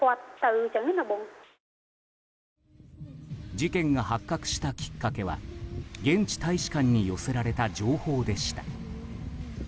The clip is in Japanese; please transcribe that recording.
事件が発覚したきっかけは現地大使館に寄せられた情報でした。